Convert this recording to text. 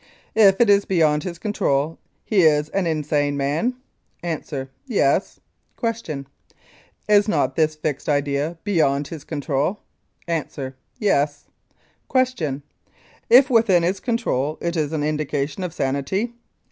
If it is beyond his control he is an insane man? A. Yes. Q* Is not this fixed idea beyond his control? A. Yes. Q. If within his control, it is an indication of sanity?